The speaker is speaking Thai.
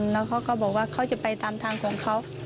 แล้วเขาก็บอกว่าเขาจะไปตามทางของเขา